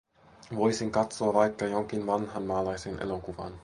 Voisin katsoa vaikka jonkin vanhan maalaisen elokuvan.